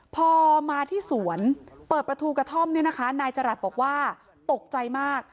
พอมาที่สวนเปิดประตูกระท่อมเนี่ยนะคะนายจรัสบอกว่าตกใจมาก